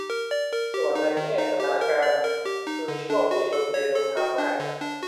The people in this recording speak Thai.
ส่วนในแง่สถานการณ์คือช่วงที่ลมเพลมพัดมาก